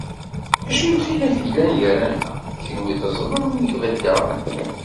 Acu n lxilaf gara-neɣ: kunwi teẓẓlem, nekk beddeɣ.